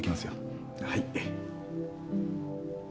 はい。